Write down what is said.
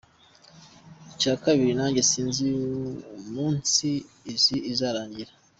Icya kabiri nanjye sinzi umunsi Isi izarangirira